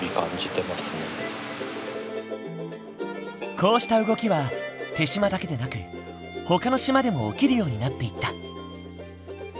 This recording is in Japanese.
こうした動きは豊島だけでなくほかの島でも起きるようになっていった。